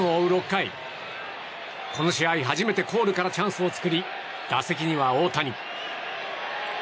６回、この試合初めてコールからチャンスを作り打席には大谷。